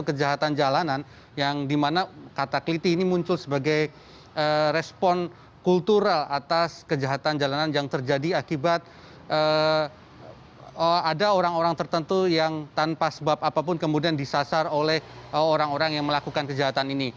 kejahatan jalanan yang dimana kata keliti ini muncul sebagai respon kultural atas kejahatan jalanan yang terjadi akibat ada orang orang tertentu yang tanpa sebab apapun kemudian disasar oleh orang orang yang melakukan kejahatan ini